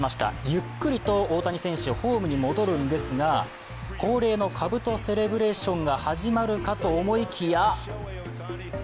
ゆっくりと大谷選手、ホームに戻るんですが、恒例のかぶとセレブレーションが始まるかと思いきや